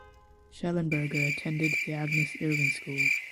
Shellenberger attended The Agnes Irwin School.